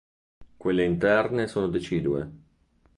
Quelle interne sono decidue.